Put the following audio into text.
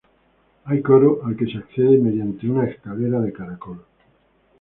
Hay coro, al que se accede mediante una escalera de caracol.